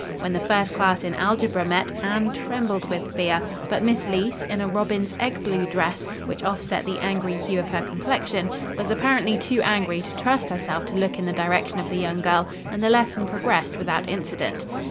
When the first class in algebra met, Anne trembled with fear, but Miss Leece, in a robin's egg blue dress, which offset the angry hue of her complexion, was apparently too angry to trust herself to look in the direction of the young girl and the lesson progressed without incident.